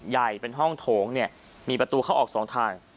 ใหญ่เป็นห้องโถงเนี่ยมีประตูเข้าออกสองทาง